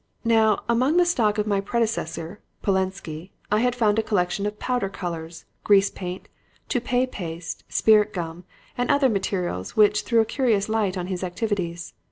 "Now, among the stock of my predecessor, Polensky, I had found a collection of powder colors, grease paints, toupée paste, spirit gum and other materials which threw a curious light on his activities.